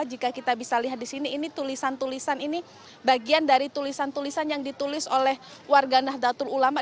jika kita bisa lihat di sini ini tulisan tulisan ini bagian dari tulisan tulisan yang ditulis oleh warga nahdlatul ulama